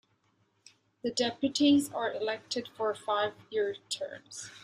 The deputies are elected for five-year terms.